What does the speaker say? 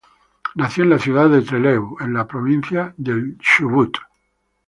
Nació en la ciudad de Trelew en la provincia del Chubut.